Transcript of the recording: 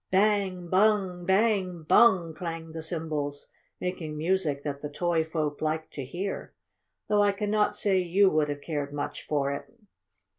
"Bang! Bung! Bang! Bung!" clanged the cymbals, making music that the Toy Folk liked to hear, though I cannot say you would have cared much for it.